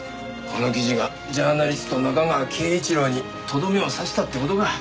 この記事がジャーナリスト中川敬一郎にとどめを刺したって事か。